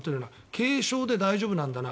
軽症で大丈夫なんだな